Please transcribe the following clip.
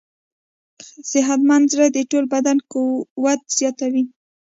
صحتمند زړه د ټول بدن قوت زیاتوي.